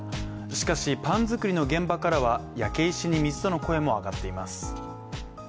しかし、パン作りの現場からは焼け石の水との声も上がっています。